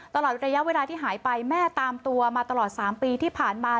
ตลอดระยะเวลาที่หายไปแม่ตามตัวมาตลอด๓ปีที่ผ่านมา